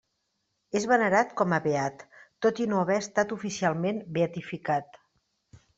És venerat com a beat, tot i no haver estat oficialment beatificat.